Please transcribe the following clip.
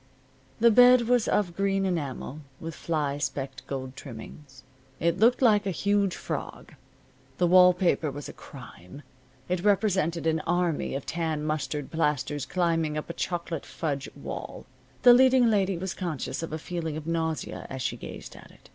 The bed was of green enamel, with fly specked gold trimmings. It looked like a huge frog. The wall paper was a crime. It represented an army of tan mustard plasters climbing up a chocolate fudge wall. The leading lady was conscious of a feeling of nausea as she gazed at it.